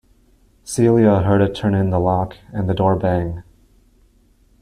Celia heard it turn in the lock, and the door bang.